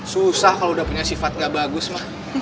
susah kalo udah punya sifat ga bagus mah